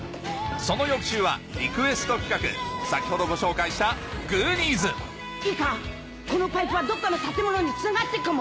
その翌週はリクエスト企画先ほどご紹介したいいかこのパイプはどっかの建物につながってっかも。